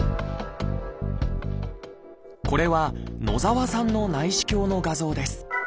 これは野澤さんの内視鏡の画像です。